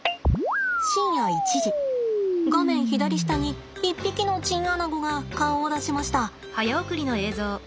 深夜１時画面左下に一匹のチンアナゴが顔を出しました。